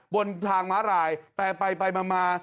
บนทางมารายไปมามา